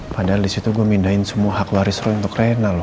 padahal disitu gue mindahin semua hak waris roy untuk reinhard loh